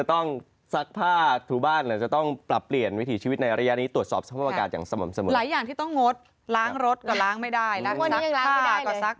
ต้องงดล้างรถก็ล้างไม่ได้แล้วซักผ้าก็ซักไม่ได้แล้ว